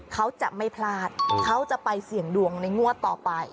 เขาจะไม่พลาดเขาจะไปเสี่ยงดวงในงวดต่อไป